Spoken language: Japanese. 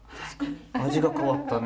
味が変わったね。